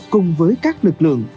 cùng với các lực lượng